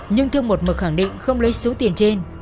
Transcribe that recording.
nhưng thương một mực khẳng định không lấy số tiền trên